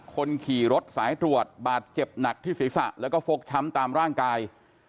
คนขี่รถสายตรวจบาดเจ็บหนักที่ศีรษะแล้วก็ฟกช้ำตามร่างกาย